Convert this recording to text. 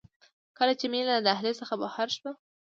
کله چې مينه له دهلېز څخه بهر شوه.